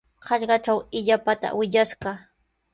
Hallqatraw illapata wiyash kaa.